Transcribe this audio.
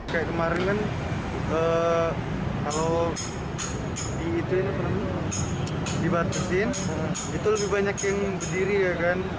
kayak kemarin kan kalau di itu ini di batasin itu lebih banyak yang berdiri ya kan